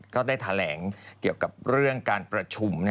ก็ได้แถลงเกี่ยวกับเรื่องการประชุม